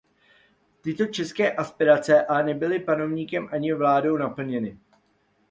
Tyto české aspirace ale nebyly panovníkem ani vládou naplněny.